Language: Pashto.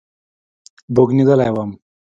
بوږنېدلى وم.